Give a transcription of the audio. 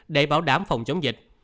để bảo đảm phòng chống dịch